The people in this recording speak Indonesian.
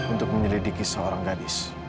untuk menyelidiki seorang gadis